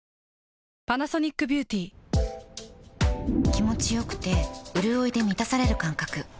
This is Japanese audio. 気持ちよくてうるおいで満たされる感覚